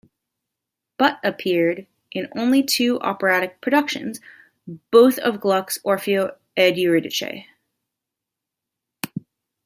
Butt appeared in only two operatic productions, both of Gluck's "Orfeo ed Euridice".